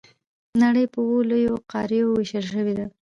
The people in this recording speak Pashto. نړۍ په اووه لویو قارو وېشل شوې ده.